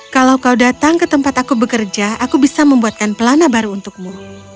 kalau kau datang ke tempat aku bekerja aku bisa membuatkan pelana baru untukmu